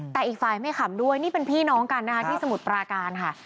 แต่อีกฝ่ายไม่ขำด้วยนี่เป็นพี่น้องกันนะคะที่สมุทรปราการค่ะ